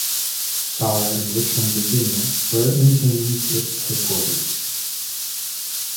Sauer in Richmond, Virginia, where it maintains its headquarters.